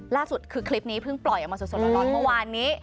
ล่าสุดคือคลิปนี้เพิ่งปล่อยออกมาสดร้อนเมื่อวานนี้